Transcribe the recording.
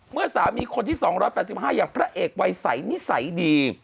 เมื่อสามีคนที่๒๘๕อย่างพระเอกวัยใสนิสัยดี